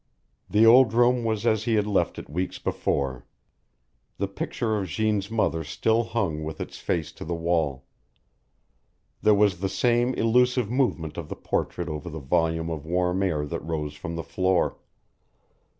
The old room was as he had left it weeks before. The picture of Jeanne's mother still hung with its face to the wall. There was the same elusive movement of the portrait over the volume of warm air that rose from the floor.